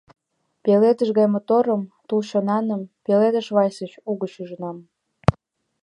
Пеледыш гай моторым, тул чонаным, Пеледыш вальсыш угыч ӱжынам.